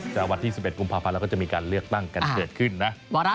วันที่๑๑กุมภาพันธ์แล้วก็จะมีการเลือกตั้งกันเกิดขึ้นนะ